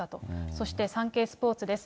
そしてサンケイスポーツです。